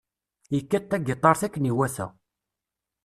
Yekkat tagitaṛt akken iwata.